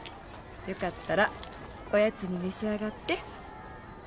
よかったらおやつに召し上がって。